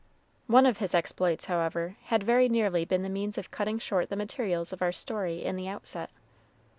One of his exploits, however, had very nearly been the means of cutting short the materials of our story in the outset.